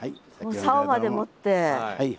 さおまで持って。